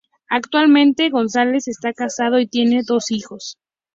Actualmente González está casado y tiene dos hijos.